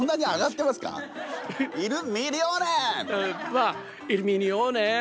まあ「イル・ミリオーネ」って。